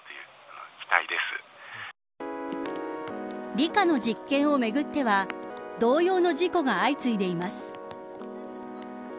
理科の実験をめぐっては同様の事故が相次いでいます。